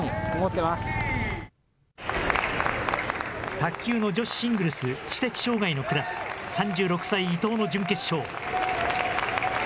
卓球の女子シングルス、知的障害のクラス、３６歳、伊藤の準決勝。